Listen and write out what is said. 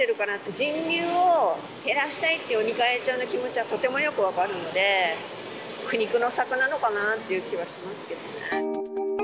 人流を減らしたいっていう尾身会長の気持ちはとてもよく分かるので、苦肉の策なのかなっていう気はしますけどね。